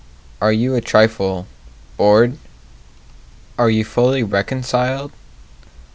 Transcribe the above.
Are you a trifle bored? Are you fully reconciled?